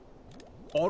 あれ？